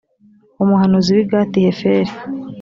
umuhanuzi w i gati heferi